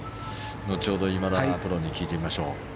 後ほど今田プロに聞いてみましょう。